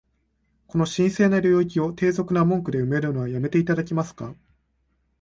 この神聖な領域を、低俗な文句で埋めるのは止めて頂けますか？